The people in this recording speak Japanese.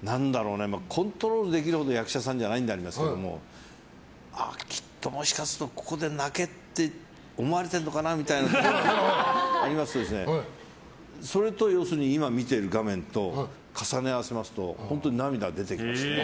コントロールできるほど役者さんじゃないんですけどきっともしかするとここで泣けって思われてるのかなみたいなのがありますですとそれと今見ている画面と重ね合わせますと本当に涙が出てきますね。